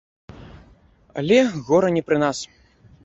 Але, гора, не пры нас.